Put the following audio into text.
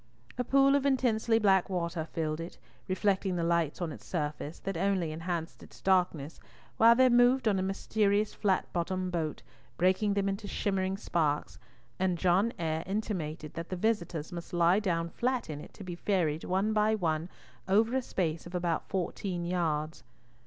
A pool of intensely black water filled it, reflecting the lights on its surface, that only enhanced its darkness, while there moved on a mysterious flat bottomed boat, breaking them into shimmering sparks, and John Eyre intimated that the visitors must lie down flat in it to be ferried one by one over a space of about fourteen yards.